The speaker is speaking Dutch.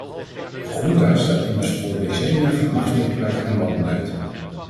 De junta staat immers voor decennia van machtsmisbruik én wanbeleid.